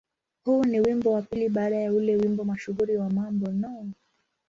Huu ni wimbo wa pili baada ya ule wimbo mashuhuri wa "Mambo No.